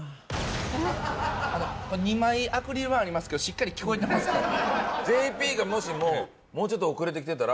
２枚アクリル板ありますけどしっかり聞こえてますから。